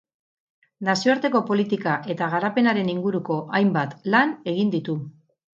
Nazioarteko politika eta garapenaren inguruko hainbat lan egin ditu.